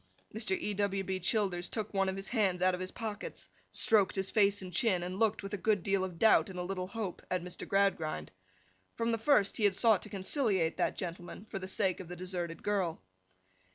Mr. E. W. B. Childers took one of his hands out of his pockets, stroked his face and chin, and looked, with a good deal of doubt and a little hope, at Mr. Gradgrind. From the first he had sought to conciliate that gentleman, for the sake of the deserted girl.